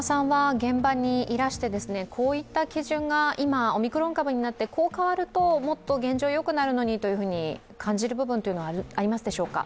現場にいらして、こういった基準が今オミクロン株になって、こう変わるともっと現状よくなるのにと感じる部分はありますでしょうか。